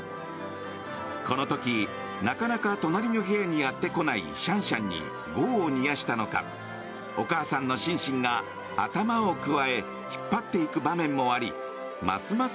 この時、なかなか隣の部屋にやってこないシャンシャンに業を煮やしたのかお母さんのシンシンが頭をくわえ引っ張っていく場面もありますます